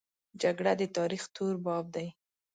جګړه د تاریخ تور باب دی